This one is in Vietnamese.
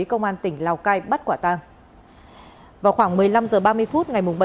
cơ quan công an tiến hành bắt giữ khẩn cấp bốn đối tượng đều trú tại thành phố hạ long